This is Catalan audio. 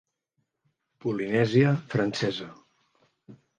Polinèsia Francesa.